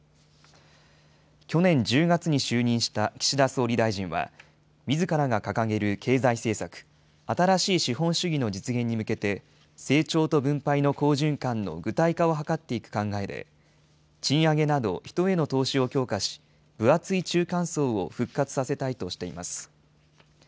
去年１０月に就任した岸田総理大臣は、みずからが掲げる経済政策、新しい資本主義の実現に向けて、成長と分配の好循環の具体化を図っていく考えで、賃上げなど人への投資を強化し、分厚い中間層を復活させたいとしています。